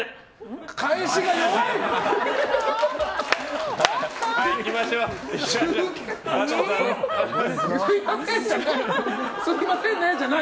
返しが弱い！